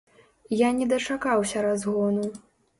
Я не дачакаўся разгону.